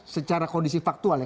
secara kondisi politik